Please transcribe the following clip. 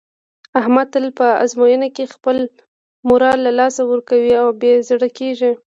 احمد تل په ازموینه کې خپل مورال له لاسه ورکوي او بې زړه کېږي.